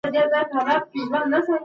غوریانو هم لویه امپراتوري درلوده.